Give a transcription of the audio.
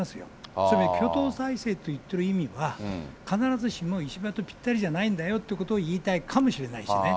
それに挙党体制と言っている意味は、必ずしも、石破とぴったりじゃないんだよっていうことを言いたいかもしれな